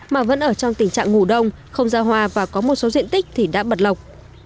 mà vẫn ở trong tình trạng ngủ đông không ra hoa và có một số diện tích thì đã bật lộc